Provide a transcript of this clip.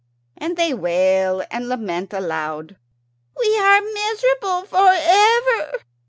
And they wail and lament aloud, "We are miserable for ever.